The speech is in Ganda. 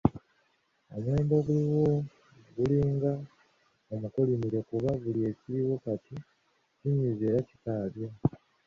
Omulembe oguliwo gulinga omukolimire kuba buli ekiriwo kati kinyiiza era kikaabya.